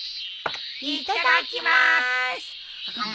いっただきます！